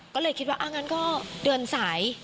ก็เลยคิดว่าอ้างั้นก็เดินสาย